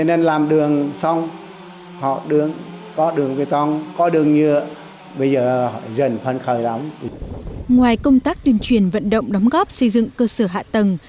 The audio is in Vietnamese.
ngoài công tác tuyên truyền vận động đóng góp xây dựng cơ sở hạ tầng